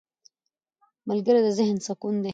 ملګری د ذهن سکون دی